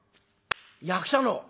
役者の？